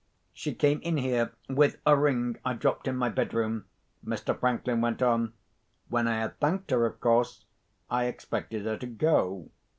"She came in here with a ring I dropped in my bedroom," Mr. Franklin went on. "When I had thanked her, of course I expected her to go.